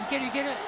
いける！